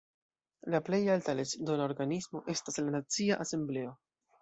La plej alta leĝdona organismo estas la Nacia Asembleo.